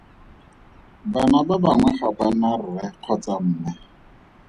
Bana ba bangwe ga ba na rre kgotsa mme.